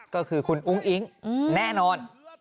ก็คือคุณอุ้งอิ๊งแน่นอน